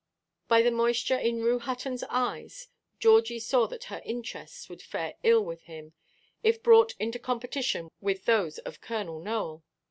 By the moisture in Rue Huttonʼs eyes, Georgie saw that her interests would fare ill with him, if brought into competition with those of Colonel Nowell.